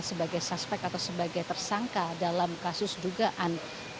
sebagai suspek atau sebagai tersangka dalam kasus dugaan